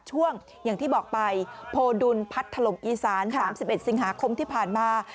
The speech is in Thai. ช่วงอย่างที่บอกไปโพดุลพัดถล่มอีสาน๓๑สิงหาคมที่ผ่านมา